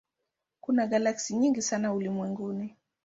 Kuna galaksi nyingi sana ulimwenguni.